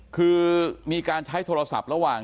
คือมีการใช้โทรศัพท์ระหว่าง